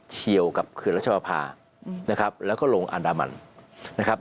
เชียวกับเขื่อนรักชาวภาคมแล้วก็ลงอันดามันนะครับ